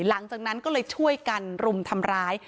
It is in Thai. หลังจากนั้นก็เลยช่วยกันรุมทำร้าย